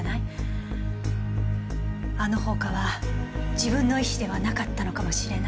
あの放火は自分の意思ではなかったのかもしれない。